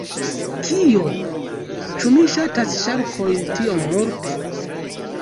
Kio? Ĉu mi ŝatas ŝarkojn tiom multe?